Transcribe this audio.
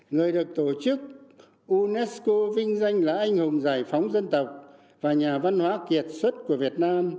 người được tổ chức unesco vinh danh là anh hùng giải phóng dân tộc và nhà văn hóa kỷ niệm